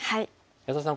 安田さん